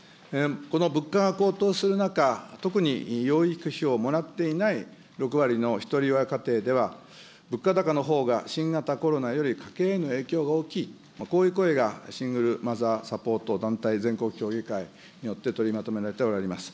この物価が高騰する中、特に養育費をもらっていない６割のひとり親家庭では、物価高のほうが新型コロナより家計への影響が大きい、こういう声がシングルマザーサポート団体全国協議会によって取りまとめられておられます。